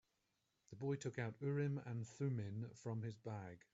The boy took out Urim and Thummim from his bag.